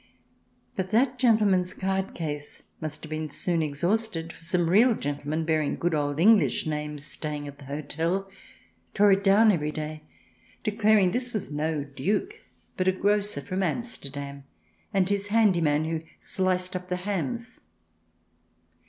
But that gentleman's card case must have been soon exhausted, for some real gentlemen bearing good old English names, staying at the hotel, tore it down every day, declaring that this was no Duke, but a grocer from Amsterdam, with his handy man who sliced up the hams.